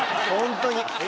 本当に。